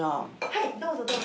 はいどうぞどうぞ。